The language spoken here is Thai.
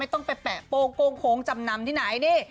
ต้องไปแปะโป้งโก้งโค้งจำนำที่ไหนนี่